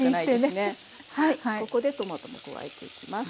ここでトマトも加えていきます。